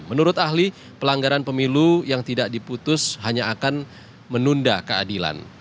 menurut ahli pelanggaran pemilu yang tidak diputus hanya akan menunda keadilan